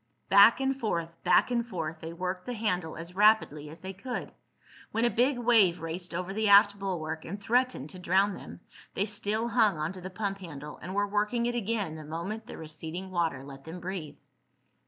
Back and forth, back and forth, they worked the handle as rapidly as they could. When a big wave raced over the aft bulwark and threatened to drown them, they still hung onto the pump handle, and were working it again the moment the receding water let them breathe.